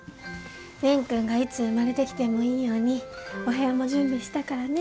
蓮くんがいつ生まれてきてもいいようにお部屋も準備したからね。